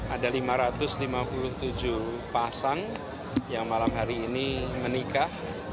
ada lima ratus lima puluh tujuh pasang yang malam hari ini menikah